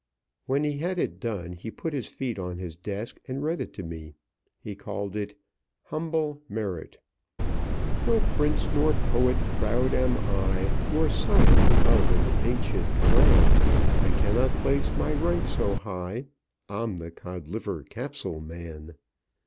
When he had it done, he put his feet on his desk and read it to me. He called it HUMBLE MERIT "No prince nor poet proud am I, Nor scion of an ancient clan; I cannot place my rank so high I'm the Codliver Capsule Man.